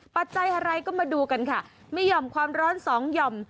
ปัจจัยอะไรก็มาดูกันค่ะมีห่อมความร้อนสองหย่อม